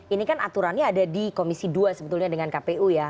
ini kan aturannya ada di komisi dua sebetulnya dengan kpu ya